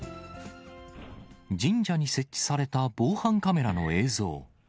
神社に設置された防犯カメラの映像。